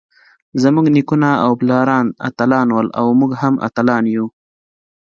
زمونږ نيکونه او پلاران اتلان ول اؤ مونږ هم اتلان يو.